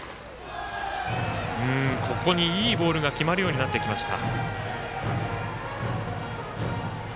ここに、いいボールが決まるようになってきました。